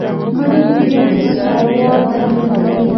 مالي مدیریت کې سواد اهمیت لري.